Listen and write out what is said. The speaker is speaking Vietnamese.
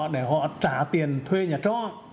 để họ trả tiền thuê nhà trọ